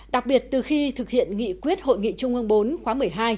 đặc biệt từ khi thực hiện nghị quyết hội nghị trung ương bốn khóa một mươi hai